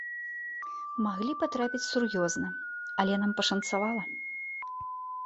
Маглі патрапіць сур'ёзна, але нам пашанцавала.